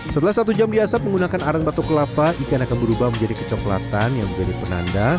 setelah satu jam diasap menggunakan arang batuk kelapa ikan akan berubah menjadi kecoklatan yang menjadi penanda